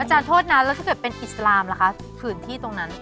โทษนะแล้วถ้าเกิดเป็นอิสลามล่ะคะผืนที่ตรงนั้น